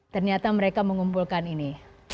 ternyata mereka mengumpulkan ini